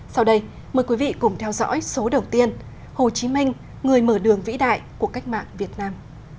sau đây mời quý vị cùng theo dõi số đầu tiên hồ chí minh người mở đường vĩ đại của cách mạng việt nam